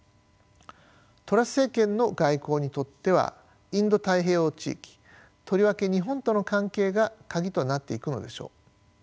トラス政権の外交にとってはインド太平洋地域とりわけ日本との関係が鍵となっていくのでしょう。